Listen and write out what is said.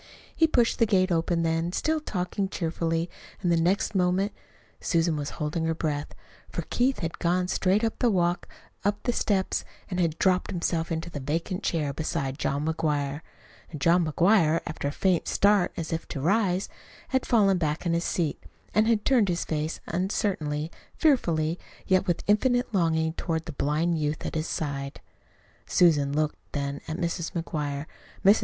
He pushed the gate open then, still talking cheerfully, and the next moment Susan was holding her breath, for Keith had gone straight up the walk and up the steps, and had dropped himself into the vacant chair beside John McGuire and John McGuire, after a faint start as if to rise, had fallen back in his seat, and had turned his face uncertainly, fearfully, yet with infinite longing, toward the blind youth at his side. Susan looked then at Mrs. McGuire. Mrs.